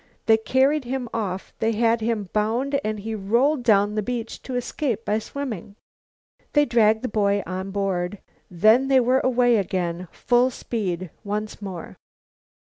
They carried him off. They had him bound and he rolled down to the beach to escape by swimming." They dragged the boy on board. Then they were away again, full speed once more.